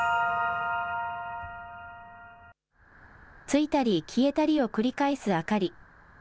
ついたり消えたりを繰り返す明かり。